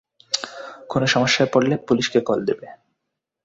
কোনো সমস্যায় পড়লে, পুলিশকে কল দেবে।